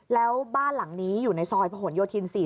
แล้วบ้านหลังนี้อยู่ในซอยพย๔๘